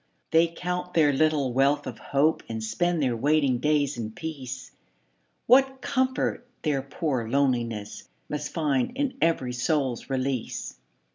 They count their little wealth of hope And spend their waiting days in peace, What comfort their poor loneliness Must find in every soul's release!